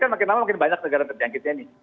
kan makin lama makin banyak negara terjangkitnya ini